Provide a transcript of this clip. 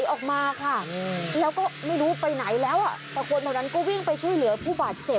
ออกมาค่ะแล้วก็ไม่รู้ไปไหนแล้วอ่ะแต่คนแถวนั้นก็วิ่งไปช่วยเหลือผู้บาดเจ็บ